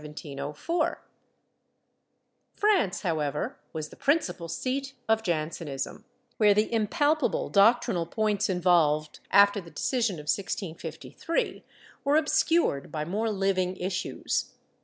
^ France, however, was the principal seat of Jansenism, where the impalpable doctrinal points involved, after the decision of 1653, were obscured by more living issues.